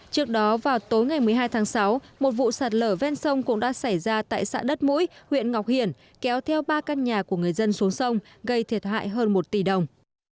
trước đó vào tối ngày một mươi hai tháng sáu một vụ sạt lở ven sông cũng đã xảy ra tại xã đất mũi huyện ngọc hiển kéo theo ba căn nhà của người dân xuống sông gây thiệt hại hơn một tỷ đồng